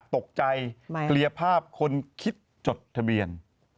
ตกใจเกลียภาพคนคิดจดทะเบียน